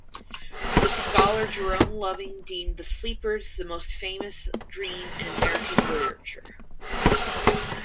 The scholar Jerome Loving deemed "The Sleepers" "the most famous dream in American literature".